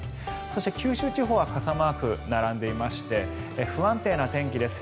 そして九州地方は傘マークが並んでいまして不安定な天気です。